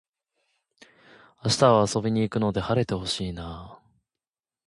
明日は遊びに行くので晴れて欲しいなあ